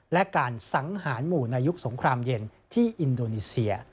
และการสังหารหมู่ในยุคสงครามเย็นที่อินโดนีเซีย